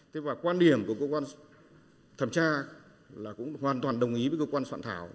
thế và quan điểm của cơ quan thẩm tra là cũng hoàn toàn đồng ý với cơ quan soạn thảo